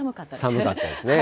寒かったですね。